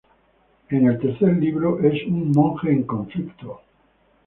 En el tercer libro es un monje en conflicto.